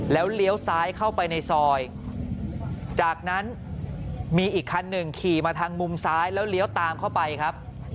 แล้วเลี้ยวซ้ายเข้าไปในซอยจากนั้นมีอีกคันหนึ่งขี่มาทางมุมซ้ายแล้วเลี้ยวตามเข้าไปครับ